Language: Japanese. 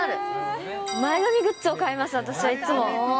前髪グッズを買います、私はいつも。